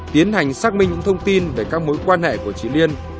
tiến hành xác minh những thông tin về các mối quan hệ của chị liên